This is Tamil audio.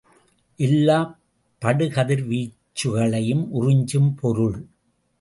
எல்லாப் படுகதிர்வீச்சுகளையும் உறிஞ்சும் பொருள்.